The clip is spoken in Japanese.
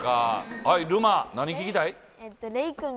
はいるま何聞きたい？